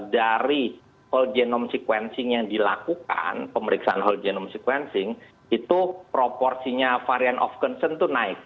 dari whole genome sequencing yang dilakukan pemeriksaan whole genome sequencing itu proporsinya varian of concern itu naik